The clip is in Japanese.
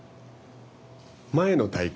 前の大会